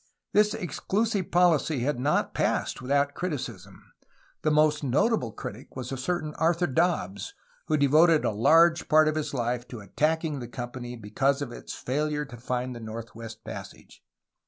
This ex clusive policy had not passed without criticism. The most notable critic was a certain Arthur Dobbs, who devoted a large part of his life to attacking the company because of its failure to find the Northwest Passage.